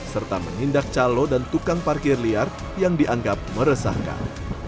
serta menindak calo dan tukang parkir liar yang dianggap meresahkan